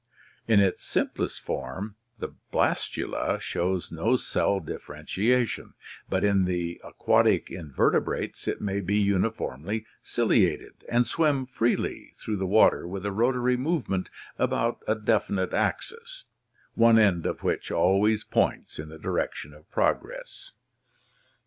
In its simplest form the blastula shows no cell differentiation, but in the aquatic in vertebrates it may be uniformly ciliated and swim freely through the water with a rotary movement about a definite axis, one end of which always points in the direction of progress.